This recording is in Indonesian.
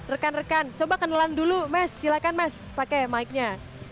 rekan rekan coba kenalan dulu mas silahkan mas pakai mike nya